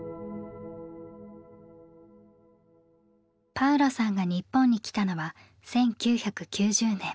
パウロさんが日本に来たのは１９９０年。